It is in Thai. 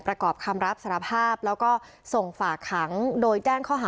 ประกอบคำรับสาธารณะภาพแล้วก็ส่งฝากหัง